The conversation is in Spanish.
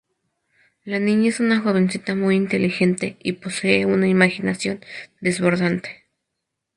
La niña es una jovencita muy inteligente y posee una imaginación desbordante.